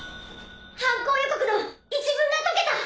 犯行予告の一文が解けた！